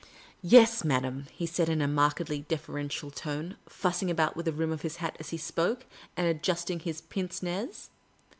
" Yes, madam," he said, in a markedly deferential tone, fussing about with the rim of his hat as he spoke, and adjusting his pincc ncz.